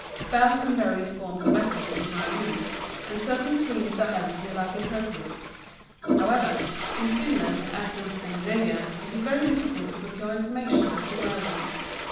Spells and various forms of exorcism are used, and certain streams are held to be lycanthropous. However, in Finland as in Scandinavia, it is very difficult to procure information as to werwolves.